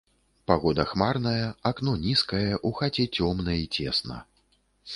Пагода хмарная, акно нізкае, у хаце цёмна і цесна.